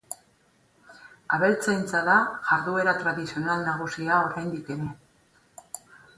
Abeltzaintza da jarduera tradizional nagusia oraindik ere.